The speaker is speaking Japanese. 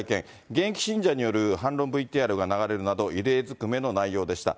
現役信者による反論ＶＴＲが流れるなど異例ずくめの内容でした。